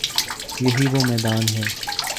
یہی وہ میدان ہے۔